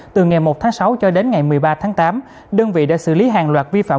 từ ngày một tháng sáu cho đến ngày một mươi ba tháng tám đơn vị đã xử lý hàng loạt vi phạm